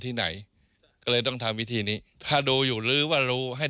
ที่ไหนก็เลยต้องทำวิธีนี้ถ้าดูอยู่หรือว่ารู้ให้